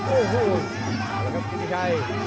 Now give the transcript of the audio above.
โอ้โหเอาละครับกิติชัย